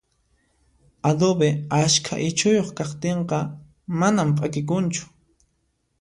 Adobe ashka ichuyuq kaqtinqa manan p'akikunchu